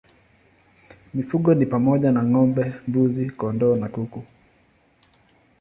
Mifugo ni pamoja na ng'ombe, mbuzi, kondoo na kuku.